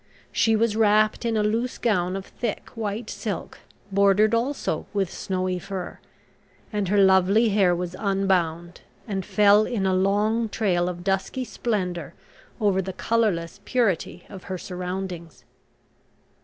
She was wrapped in a loose gown of thick white silk, bordered also with snowy fur, and her lovely hair was unbound, and fell in a long trail of dusky splendour over the colourless purity of her surroundings.